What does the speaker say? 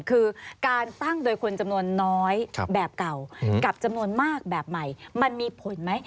คือการตั้งโดยคนจำนวนน้อยแบบเก่ากับจำนวนมากแบบใหม่มันมีผลไหม